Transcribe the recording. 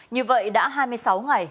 như vậy đã hai mươi sáu ngày